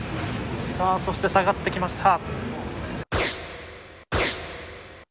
そして下がってきました。